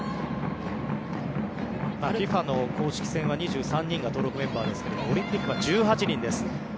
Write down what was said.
ＦＩＦＡの公式戦は２３人が登録メンバーですがオリンピックは１８人です。